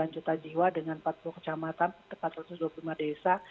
delapan juta jiwa dengan empat puluh kecamatan empat ratus dua puluh lima desa